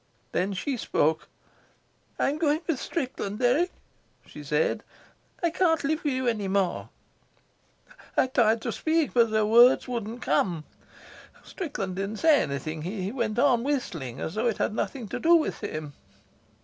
Then she spoke: "'I'm going with Strickland, Dirk,' she said. 'I can't live with you any more.' "I tried to speak, but the words wouldn't come. Strickland didn't say anything. He went on whistling as though it had nothing to do with him."